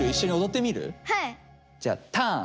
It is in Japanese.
じゃあターン！